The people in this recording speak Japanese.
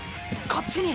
こっちに。